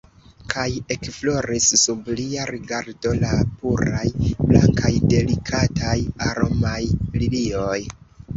Kaj ekfloris sub lia rigardo la puraj, blankaj, delikataj, aromaj lilioj.